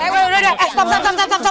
eh udah udah eh stop stop stop